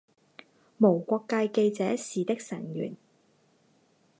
无国界记者是的成员。